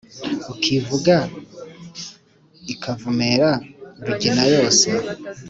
Ukivuga ikavumera Rugina yose